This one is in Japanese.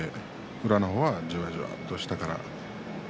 宇良の方はじわじわと下から。